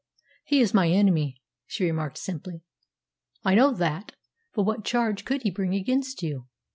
"He is my enemy," she remarked simply. "I know that. But what charge could he bring against you?